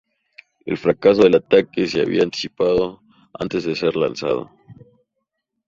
El fracaso del ataque se había anticipado antes de ser lanzado.